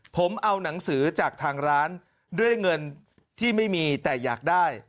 ผมเอาหนังสือจากทางร้านด้วยเงินที่ไม่มีแต่อยากได้